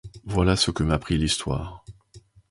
Voilà ce que m’apprit l’histoire.